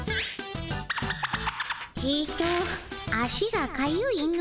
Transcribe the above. ちと足がかゆいの。